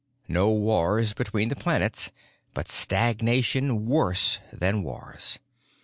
No wars between the planets—but stagnation worse than wars.